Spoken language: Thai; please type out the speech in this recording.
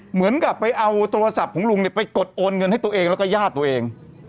เหมือนกับไปเอาโทรศัพท์ของลุงเนี่ยไปกดโอนเงินให้ตัวเองแล้วก็ญาติตัวเอง